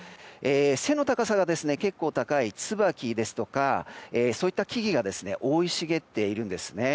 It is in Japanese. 背の高さが結構高いツバキですとかそういった木々が生い茂っているんですね。